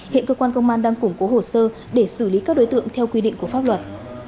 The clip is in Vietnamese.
hiện cơ quan công an đang củng cố hồ sơ để xử lý các đối tượng theo quy định của pháp luật